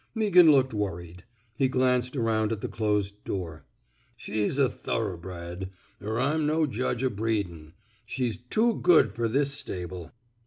Meaghan looked worried. He glanced aronnd at the closed door. '* She's a thor oughbred — er I'm no judge o' breedin.' She's too good fer this stable."